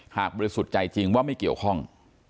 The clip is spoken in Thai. หากมันสุดใจจริงว่าไม่เกี่ยวข้อง